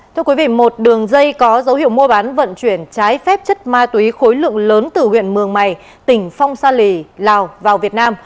thưa quý vị một đường dây có dấu hiệu mua bán vận chuyển trái phép chất ma túy khối lượng lớn từ huyện mường mày tỉnh phong sa lì lào vào việt nam